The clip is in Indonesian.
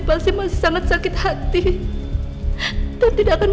pasti masih sangat sakit hati tetapi tidak akan